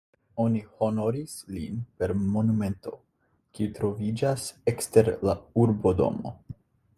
Oni honoris lin per monumento, kiu troviĝas ekster la urbodomo.